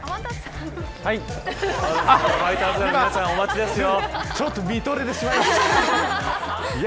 ファイターズガールの皆さんがお待ちですよ。